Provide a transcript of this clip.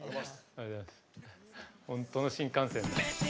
本当の新幹線だ。